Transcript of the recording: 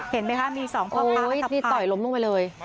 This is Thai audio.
เห็นไหมคะมีสองคนนี่ต่อยล้มลงไปเลย